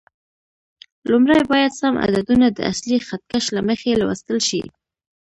لومړی باید سم عددونه د اصلي خط کش له مخې لوستل شي.